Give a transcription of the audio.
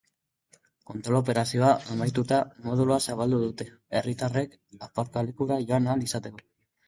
Kontrol operazioa amaituta, modulua zabaldu dute herritarrek aparkalekura joan ahal izateko.